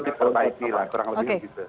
diperbaiki lah kurang lebih gitu